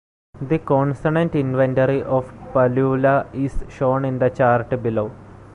The consonant inventory of Palula is shown in the chart below.